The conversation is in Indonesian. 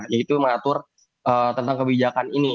yaitu mengatur tentang kebijakan ini